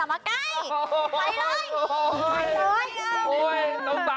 ไม่เอาดีเอาเขากลับมา